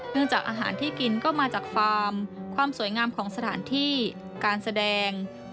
จากอาหารที่กินก็มาจากฟาร์มความสวยงามของสถานที่การแสดง